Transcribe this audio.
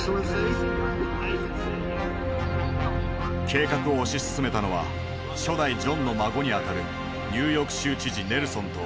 計画を推し進めたのは初代ジョンの孫に当たるニューヨーク州知事ネルソンと。